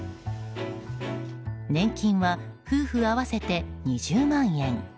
年金は夫婦合わせて２０万円。